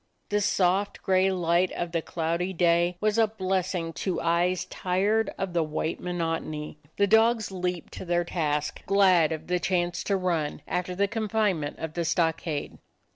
The soft gray light of the cloudy day was a blessing to eyes tired of the white monotony; the dogs leaped to their task, glad of the chance to run, after the confinement of the stockade.